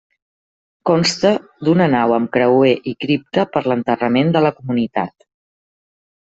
Consta d'una nau amb creuer i cripta per l'enterrament de la comunitat.